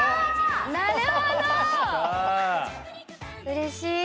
うれしい！